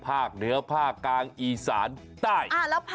ภาคเหนือภาคกลางอีสานใต้